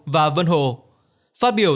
và vân hồ phát biểu